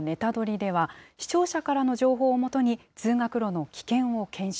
では、視聴者からの情報をもとに通学路の危険を検証。